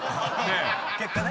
結果ね。